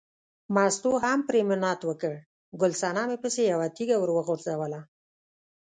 مستو هم پرې منت وکړ، ګل صنمې پسې یوه تیږه ور وغورځوله.